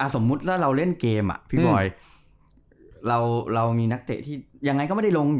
สมมุติถ้าเราเล่นเกมอ่ะพี่บอยเราเรามีนักเตะที่ยังไงก็ไม่ได้ลง